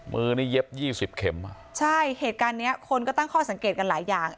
มือนี้เย็บยี่สิบเข็มอ่ะใช่เหตุการณ์เนี้ยคนก็ตั้งข้อสังเกตกันหลายอย่าง